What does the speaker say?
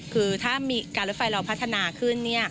คือถ้ามีการรถไฟเราพัฒนาขึ้น